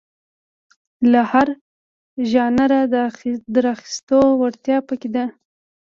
له هر ژانره د راخیستو وړتیا په کې ده.